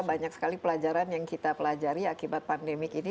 banyak sekali pelajaran yang kita pelajari akibat pandemi ini